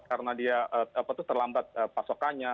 karena dia terlambat pasokannya